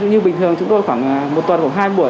như bình thường chúng tôi khoảng một tuần hoặc hai buổi